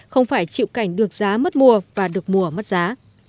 không phải chịu cảnh được giá mất mùa và được mua mất giá